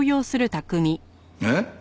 えっ？